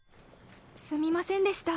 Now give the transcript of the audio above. すみませんでした。